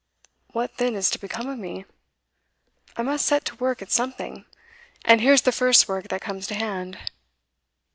What, then, is to become of me? I must set to work at something, and here's the first work that comes to hand.